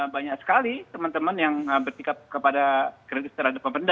banyak sekali teman teman yang bertikap kepada kritis terhadap pemerintah